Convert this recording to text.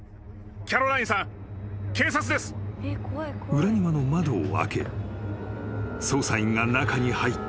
［裏庭の窓を開け捜査員が中に入ってみると］